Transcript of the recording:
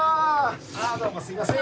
ああどうもすいません。